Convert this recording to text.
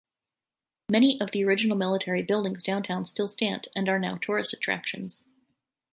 Many of the original military buildings downtown still stand, and are now tourist attractions.